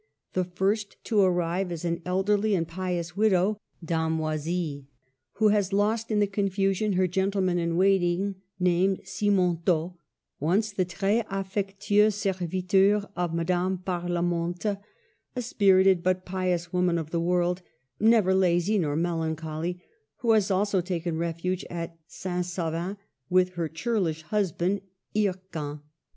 The first to arrive is an elderly and pious widow, Dame Oisille, who has lost in the confusion her gentleman in waiting named Simontault, once the tres affec tueux serviteur of Madame Parlamente, a spir ited but pious woman of the world, ''never lazy nor melancholy," who has also taken refuge at St. Savin with her churlish husband, Hircan.